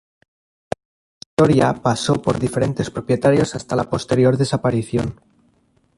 A lo largo de su historia pasó por diferentes propietarios hasta la posterior desaparición.